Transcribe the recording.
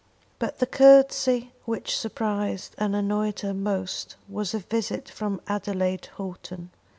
But the courtesy which surprised and annoyed her most was a visit from Adelaide Houghton.